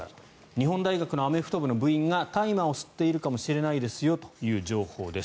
日本大学のアメフト部の部員が大麻を吸っているかもしれないですよという情報です。